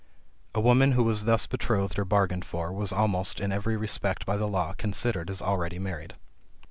A woman who was thus betrothed or bargained for, was almost in every respect by the law considered as already married.